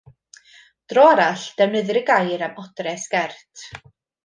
Dro arall, defnyddir y gair am odre sgert.